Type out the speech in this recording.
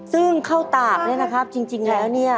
ซึ่งเข้าตากเนี่ยนะครับจริงแล้วเนี่ย